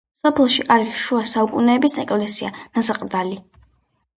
სოფელში არის შუა საუკუნეების ეკლესია „ნასაყდრალი“.